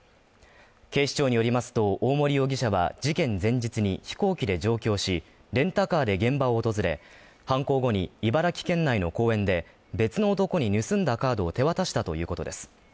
警視庁によりますと大森容疑者は事件前日に飛行機で上京し、レンタカーで現場を訪れ、犯行後に、茨城県内の公園で、別の男に盗んだカードを手渡したということです。